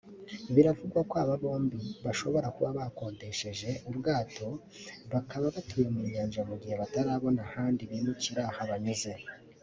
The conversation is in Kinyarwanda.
Biravugwa ko aba bombi bashobora kuba bakodesheje ubwato bakaba batuye mu Nyanja mu gihe batarabona ahandi bimukira habanyuze